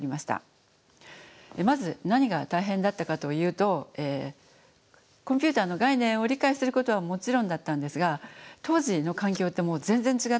まず何が大変だったかというとコンピューターの概念を理解することはもちろんだったんですが当時の環境って全然違ったんですね。